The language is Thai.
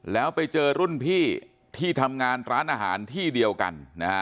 แล้วไปเจอรุ่นพี่ที่ทำงานร้านอาหารที่เดียวกันนะฮะ